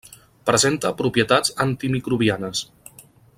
Presenta propietats antimicrobianes.